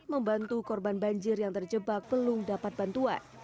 membantu korban banjir yang terjebak belum dapat bantuan